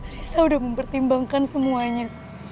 risa sudah mempertimbangkan semuanya